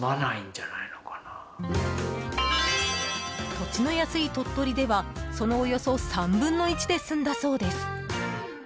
土地の安い鳥取ではそのおよそ３分の１で済んだそうです。